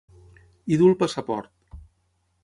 Hi du el passaport.